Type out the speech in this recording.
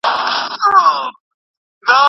اورخونه کي ډوډۍ پخیږي دستي به راوړل سي.